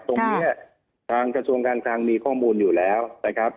ตรงนี้ทางกระทรวงการคลังมีข้อมูลอยู่แล้วนะครับ